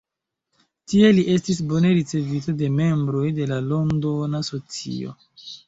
Tie li estis bone ricevita de membroj de la Londona socio.